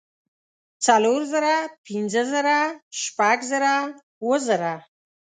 څلور زره پنځۀ زره شپږ زره اووه زره